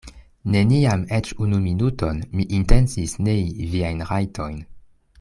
Neniam eĉ unu minuton mi intencis nei viajn rajtojn.